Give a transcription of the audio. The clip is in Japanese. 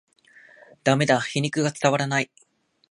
ダメだ、皮肉が伝わらない